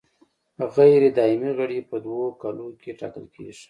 غیر دایمي غړي په دوو کالو کې ټاکل کیږي.